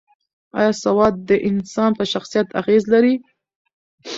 ایا سواد د انسان په شخصیت اغېز لري؟